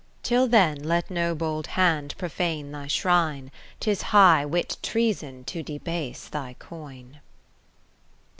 Till when let no bold hand profane thy shrine ; 'Tis high Wit Treason to debase thy coin.